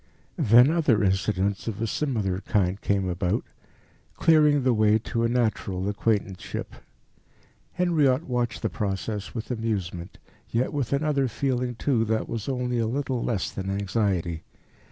Then other incidents of a similar kind came about, clearing the way to a natural acquaintanceship. Henriot watched the process with amusement, yet with another feeling too that was only a little less than anxiety.